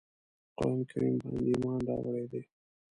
قرآن کریم باندي ایمان راوړی دی.